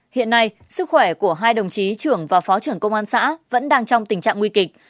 hiện nay sức khỏe của hai đồng chí trưởng và phó trưởng công an xã vẫn đang trong tình trạng nguy kịch